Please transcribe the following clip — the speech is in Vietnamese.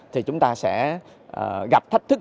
thì chúng ta sẽ gặp thách thức